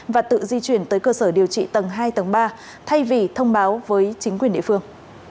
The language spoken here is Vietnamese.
và tự di chuyển tới cơ sở điều trị tầng hai tầng ba thay vì thông báo với chính quyền địa phương